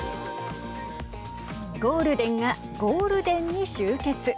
ゴールデンがゴールデンに集結。